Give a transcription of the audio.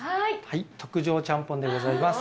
特上ちゃんぽんでございます。